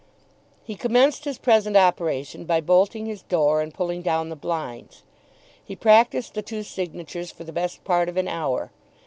He commenced his present operation by bolting his door and pulling down the blinds. He practised the two signatures for the best part of an hour.